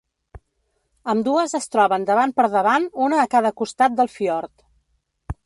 Ambdues es troben davant per davant, una a cada costat del fiord.